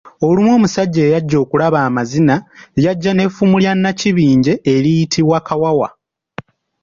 Olumu omusajja eyajja okulaba amazina, yajja n'effumu lya Nnakibinge eriyitibwa Kawawa.